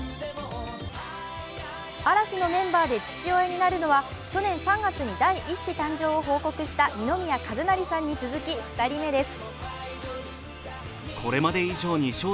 嵐のメンバーで父親になるのは去年３月に第一子誕生を報告した二宮和也さんに続き２人目です。